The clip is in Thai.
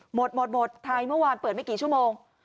หมดหมดไทยเมื่อวานเปิดไม่กี่ชั่วโมง